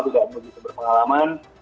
tidak begitu berpengalaman